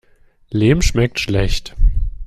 Lehm schmeckt schlecht.